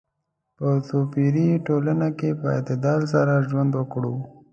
په توپیري ټولنه کې په اعتدال سره ژوند وکړو.